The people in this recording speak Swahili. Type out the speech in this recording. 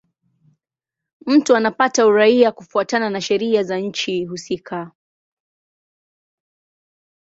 Mtu anapata uraia kufuatana na sheria za nchi husika.